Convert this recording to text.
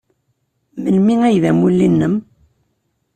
Melmi ay d amulli-nnem?